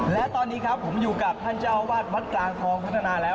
และตอนนี้ครับผมอยู่กับท่านเจ้าวาดวัดกลางคลองพัฒนาราพิจัย